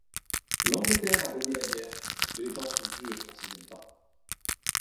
L'Angleterre a gagné la guerre mais les temps sont durs pour ses habitants.